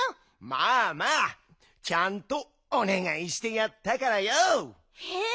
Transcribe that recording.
まあまあちゃんとおねがいしてやったからＹＯ。え？